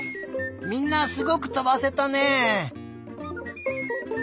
みんなすごくとばせたね！